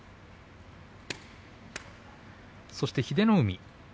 そして英乃海。